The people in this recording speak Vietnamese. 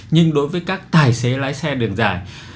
nhưng đối với các tài xế lái xe đường dài